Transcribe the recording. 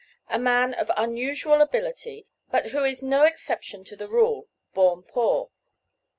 A man of unusual ability; but who is no exception to the rule, born poor.